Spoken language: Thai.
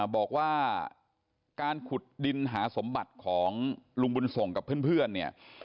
บอกว่าการขุดดินหาสมบัติของลุงบุญส่งกับเพื่อนเนี่ย